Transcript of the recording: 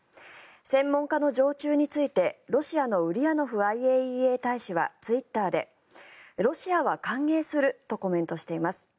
専門家の常駐についてロシアのウリヤノフＩＡＥＡ大使はツイッターでロシアは歓迎するとコメントしています。